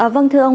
vâng thưa ông